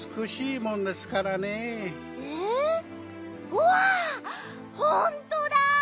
うわっほんとだ！